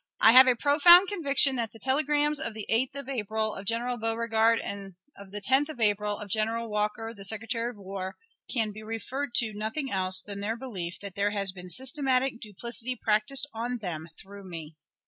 I have a profound conviction that the telegrams of the 8th of April, of General Beauregard, and of the 10th of April, of General Walker, the Secretary of War, can be referred to nothing else than their belief that there has been systematic duplicity practiced on them through me.